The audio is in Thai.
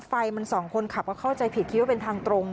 ไฟมันสองคนขับก็เข้าใจผิดคิดว่าเป็นทางตรง